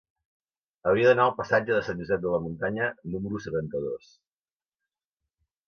Hauria d'anar al passatge de Sant Josep de la Muntanya número setanta-dos.